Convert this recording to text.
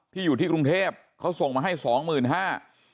ที่อยู่ที่กรุงเทพเขาส่งมาให้๒๕๐๐๐บาท